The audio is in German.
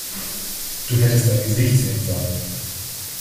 Du hättest dein Gesicht sehen sollen!